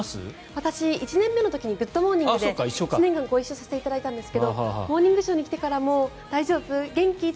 私１年目の時「グッド！モーニング」で１年間ご一緒させていただいたんですが「モーニングショー」に来てからも大丈夫？